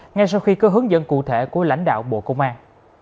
ngay sau khi cơ hướng dẫn cụ thể của lãnh đạo bộ công an